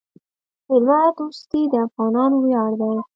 میلمه دوستي د افغانانو ویاړ دی.